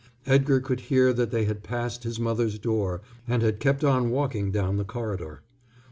Edgar could hear that they had passed his mother's door and had kept on walking down the corridor.